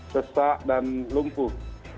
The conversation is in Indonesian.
sesak dan lumpuh